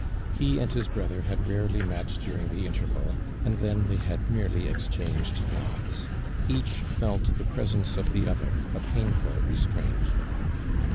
He and his brother hiid' rarely mot during the interval, and then they had merely exchanged nods. Each felt the presence of the other a painful re straint.